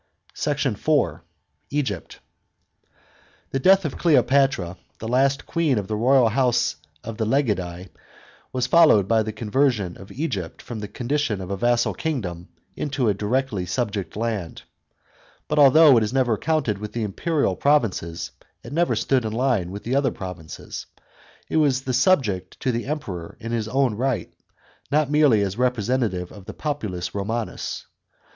SECT. IV. — EGYPT. § 8. The death of Cleopatra, the last queen of the royal house of the Lagidse, was followed by the conversion of Egypt from the condition of a vassal kingdom into a directly subject land. But although it is often counted with the imperial provinces, it never stood in line with the other provinces.* It was subject to the Emperor in his own right, not merely as representative of the populus Eomanus.